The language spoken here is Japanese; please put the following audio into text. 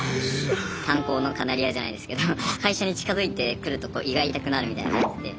「炭鉱のカナリア」じゃないですけど会社に近づいてくると胃が痛くなるみたいな感じで。